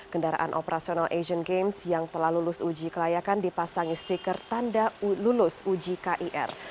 kendaraan operasional asian games yang telah lulus uji kelayakan dipasangi stiker tanda lulus uji kir